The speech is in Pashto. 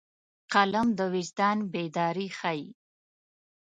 قلم د وجدان بیداري ښيي